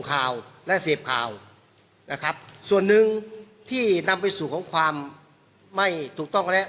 ข่าวและเสพข่าวนะครับส่วนหนึ่งที่นำไปสู่ของความไม่ถูกต้องแล้ว